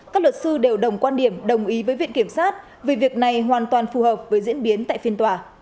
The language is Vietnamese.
các luật sư đều đồng quan điểm đồng ý với viện kiểm sát về việc này hoàn toàn phù hợp với diễn biến tại phiên tòa